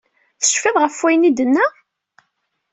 Tecfiḍ ɣef wayen ay d-tenna?